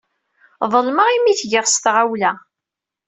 Ḍelmeɣ imi ay t-giɣ s tɣawla.